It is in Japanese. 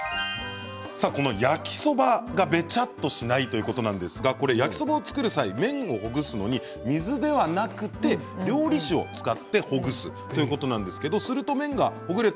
焼きそばがべちゃっとしないということなんですが焼きそばを作る際麺をほぐすのに水ではなくて料理酒を使ってほぐすということなんですがそうすると麺がほぐれた